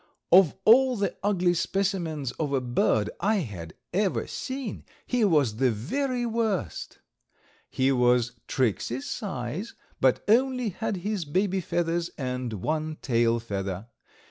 Of all the ugly specimens of a bird I had ever seen he was the very worst. He was Tricksey's size, but only had his baby feathers and one tail feather.